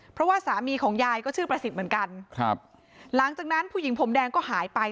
เพราะว่าสามีของยายก็ชื่อประสิทธิ์เหมือนกันครับหลังจากนั้นผู้หญิงผมแดงก็หายไป